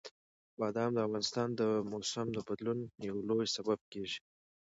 بادام د افغانستان د موسم د بدلون یو لوی سبب کېږي.